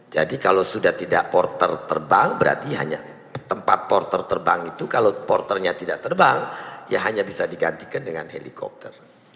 jadi kalau sudah tidak porter terbang berarti hanya tempat porter terbang itu kalau porternya tidak terbang ya hanya bisa digantikan dengan helikopter